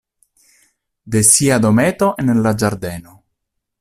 De sia dometo en la ĝardeno.